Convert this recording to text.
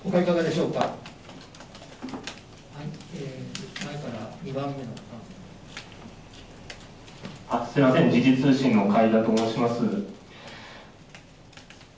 すみません、時事通信のかいだと申します。